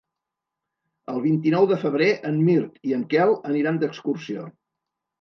El vint-i-nou de febrer en Mirt i en Quel aniran d'excursió.